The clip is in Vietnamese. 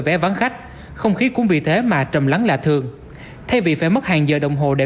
vé vắng khách không khí cũng vì thế mà trầm lắng là thường thay vì phải mất hàng giờ đồng hồ để